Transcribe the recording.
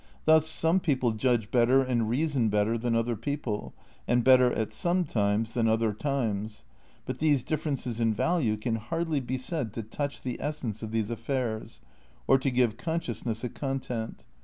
Thus some people judge better and reason better than other people, and bet ter at some times than other times; but these differ ences in value can hardly be said to touch the essence of these affairs, or to give consciousness a content.